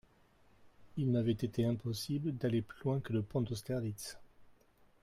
Il m'avait ete impossible d'aller plus loin que le pont d'Austerlitz.